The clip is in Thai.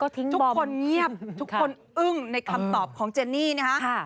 ทุกคนเงียบทุกคนอึ้งในคำตอบของเจนี่นะฮะ